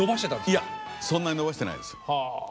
いやそんなに伸ばしてないです。